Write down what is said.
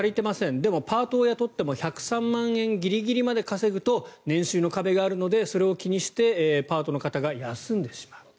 でも、パートを雇っても１０３万円ギリギリまで稼ぐと年収の壁があるのでそれを気にしてパートの方が休んでいます。